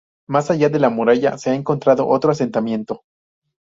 Más allá de la muralla se ha encontrado otro asentamiento.